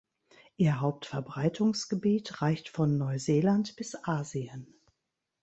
Ihr Hauptverbreitungsgebiet reicht von Neuseeland bis Asien.